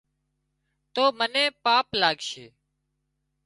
تو منين پاپ لاڳشي